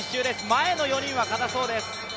前の４人はかたそうです。